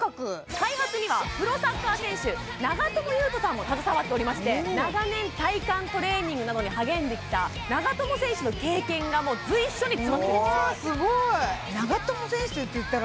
開発にはプロサッカー選手長友佑都さんも携わっておりまして長年体幹トレーニングなどに励んできた長友選手の経験がもう随所に詰まってるんですよすごい！